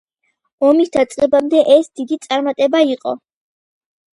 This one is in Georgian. ომის დაწყებამდე ეს დიდი წარმატება იყო.